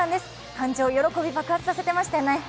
感情、喜び爆発させていましたよね